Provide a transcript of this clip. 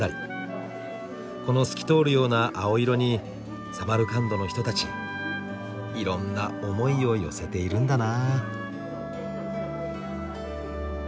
この透き通るような青色にサマルカンドの人たちいろんな思いを寄せているんだな。